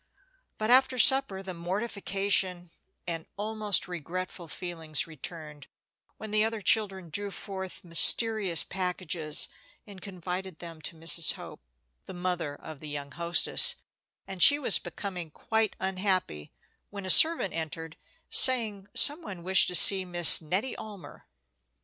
But after supper the mortification and almost regretful feelings returned, when the other children drew forth mysterious packages, and confided them to Mrs. Hope, the mother of the young hostess; and she was becoming quite unhappy when a servant entered, saying some one wished to see Miss Nettie Almer.